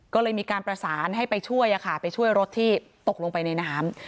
ก็เลยมีการประสานให้ไปช่วยไปช่วยรถที่ตกลงไปในน้ำ